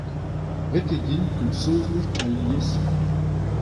Ret eo din komz saozneg aliesoc'h.